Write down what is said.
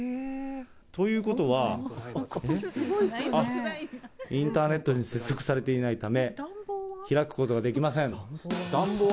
ということは、あっ、インターネットに接続されていないため、開くことができません。